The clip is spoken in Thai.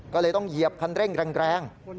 ก็เลยต้องเหยียบคันเร่งแรง